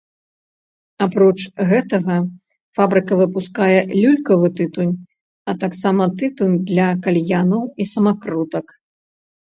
Апроч гэтага, фабрыка выпускае люлькавы тытунь, а таксама тытунь для кальянаў і самакрутак.